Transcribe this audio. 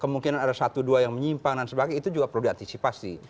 kemungkinan ada satu dua yang menyimpang dan sebagainya itu juga perlu diantisipasi